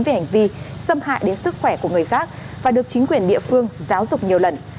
về hành vi xâm hại đến sức khỏe của người khác và được chính quyền địa phương giáo dục nhiều lần